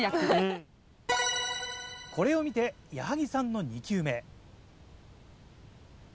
これを見て矢作さんの２球目。